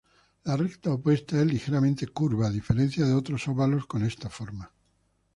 La recta opuesta es ligeramente curva, a diferencia de otros óvalos con esta forma.